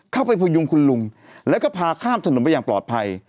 พยุงคุณลุงแล้วก็พาข้ามถนนไปอย่างปลอดภัย